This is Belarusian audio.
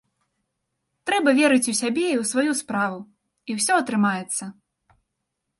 Трэба верыць у сябе і ў сваю справу, і ўсё атрымаецца.